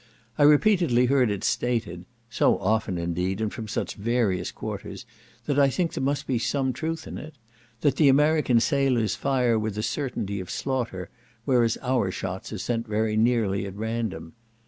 I repeatedly heard it stated, (so often, indeed, and from such various quarters, that I think there must be some truth in it), that the American sailors fire with a certainty of slaughter, whereas our shots are sent very nearly at random.